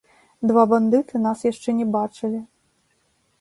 Два бандыты нас яшчэ не бачылі.